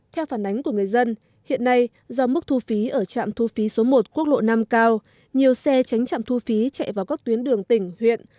theo phản ánh của người dân hiện nay do mức thu phí ở trạm thu phí số một quốc lộ năm cao nhiều xe tránh trạm thu phí chạy vào các tuyến đường tỉnh huyện